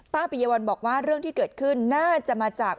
ปิยวัลบอกว่าเรื่องที่เกิดขึ้นน่าจะมาจาก